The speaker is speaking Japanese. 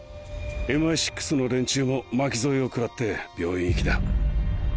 ＭＩ６の連中も巻き添えを食らって病院行きだ。